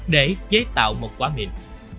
để chế tạo một quả mịn